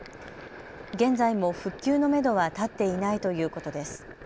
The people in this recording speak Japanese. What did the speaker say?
現在も復旧のめどは立っていないということです。